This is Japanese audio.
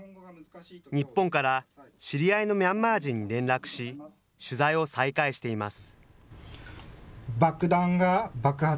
日本から知り合いのミャンマー人に連絡し、取材を再開しています。